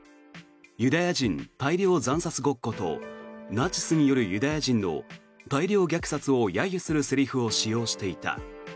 ユダヤ人大量惨殺ごっことナチスによるユダヤ人の大量虐殺を揶揄するセリフを使用していた。